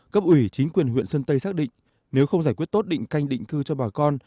cấp ủy chính quyền huyện sơn tây xác định nếu không giải quyết tốt định canh định cư cho bà con